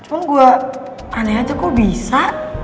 cuma gue aneh aja kok bisa